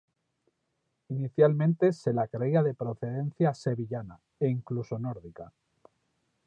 Inicialmente se la creía de procedencia sevillana e incluso nórdica.